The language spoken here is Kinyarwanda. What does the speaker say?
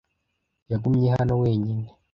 Yagumye hano wenyine.